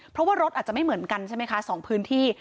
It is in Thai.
เพราะว่ารถอาจจะไม่เหมือนกันใช่ไหมคะ๒พื้นที่